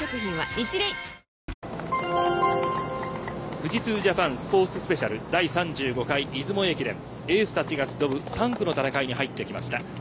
富士通Ｊａｐａｎスポーツスペシャル第３５回出雲駅伝エースたちが集う３区に入ってきました。